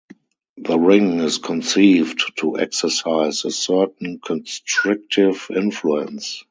The ring is conceived to exercise a certain constrictive influence.